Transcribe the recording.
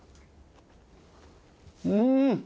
うん！